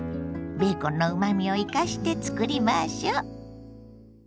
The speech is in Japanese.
ベーコンのうまみを生かしてつくりましょ。